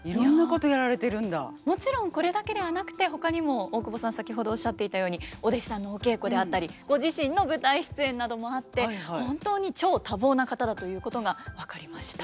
もちろんこれだけではなくてほかにも大久保さん先ほどおっしゃっていたようにお弟子さんのお稽古であったりご自身の舞台出演などもあって本当に超多忙な方だということが分かりました。